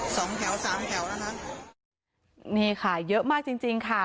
สองแถวสามแถวนะคะนี่ค่ะเยอะมากจริงจริงค่ะ